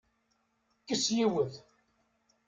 Kkes yiwet!